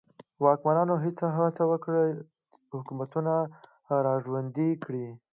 واکمنانو هڅه وکړه حکومتونه را ژوندي کړي.